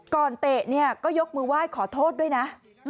ก่อนเตะก็ยกมือไหว้ขอโทษด้วยนะ